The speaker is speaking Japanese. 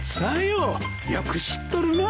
よく知っとるな。